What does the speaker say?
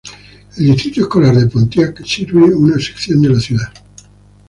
El Distrito Escolar de Pontiac sirve una sección de la ciudad.